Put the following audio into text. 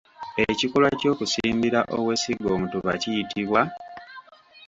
Ekikolwa ky'okusimbira owessinga omutuba kiyitibwa?